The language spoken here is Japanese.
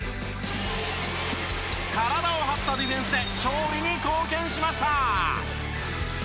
体を張ったディフェンスで勝利に貢献しました。